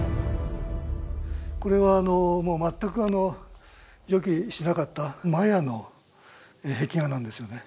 これはあの全くあの予期しなかったマヤの壁画なんですよね